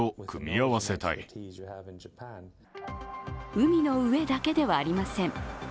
海の上だけではありません。